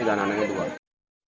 yang dari tangerang ada selama istri